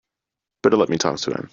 Better let me talk to him.